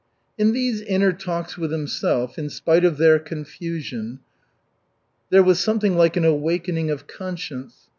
In these inner talks with himself, in spite of their confusion, there was something like an awakening of conscience.